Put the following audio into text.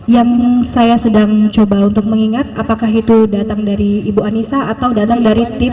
yang saya sedang coba untuk mengingat apakah itu datang dari ibu anissa atau datang dari tim